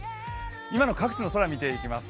今の各地の空を見ていきます。